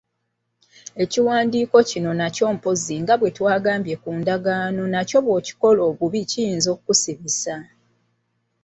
Ekiwandiiko kino nakyo mpozzi nga bwe twagambye ku ndagaano nakyo bw'okikola obubi kiyinza okukusibisa.